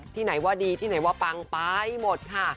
ที่ไหนว่าดีที่ไหนว่าปังไปหมดค่ะ